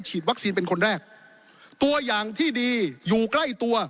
วัคซีนเป็นคนแรกตัวอย่างที่ดีอยู่ใกล้ตัว